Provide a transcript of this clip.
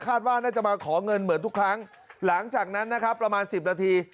ว่าน่าจะมาขอเงินเหมือนทุกครั้งหลังจากนั้นนะครับประมาณสิบนาที